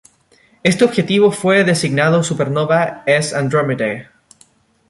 Este objeto fue designado supernova "S Andromedae".